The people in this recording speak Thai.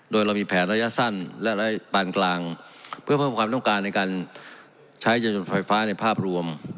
โดยเรามีแผนระยะสั้นและระยะปานกลางเพื่อเพิ่มความต้องการในการใช้จนไฟฟ้าในภาพรวม